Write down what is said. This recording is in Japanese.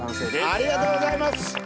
ありがとうございます！